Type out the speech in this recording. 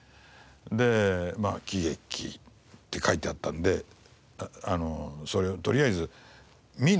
でまあ喜劇って書いてあったんでそれをとりあえず見に行って。